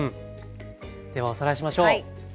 ではおさらいしましょう。